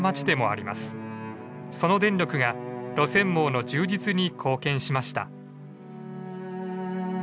その電力が路線網の充実に貢献しました。